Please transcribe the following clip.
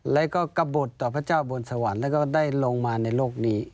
แล้วก็กระบดต่อพระเจ้าบนสวรรค์แล้วก็ได้ลงมาในโลกนี้